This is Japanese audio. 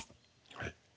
はい。